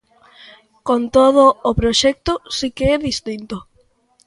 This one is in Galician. Con todo, o proxecto si que é distinto.